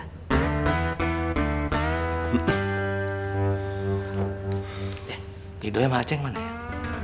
eh tidurnya macem mana ya